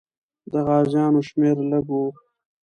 د غازیانو شمېر لږ وو.